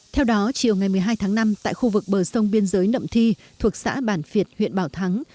theo đó chiều ngày một mươi hai tháng năm tại khu vực bờ sông biên giới nậm thi thuộc xã bản việt huyện bảo thắng